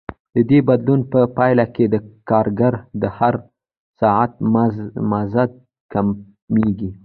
د دې بدلون په پایله کې د کارګر د هر ساعت مزد کمېږي